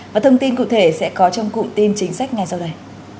và thông tin cụ thể sẽ có trong cụm tin chính sách ngay sau đây